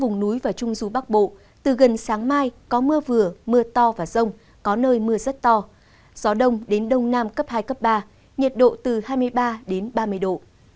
phía bắc bộ nhiều mây có mưa rào và rông rải rác cục bộ có mưa to từ gần sáng mai có mưa vừa mưa to và rông có nơi mưa rất to gió đông đến đông nam cấp hai cấp ba nhiệt độ từ hai mươi ba đến ba mươi độ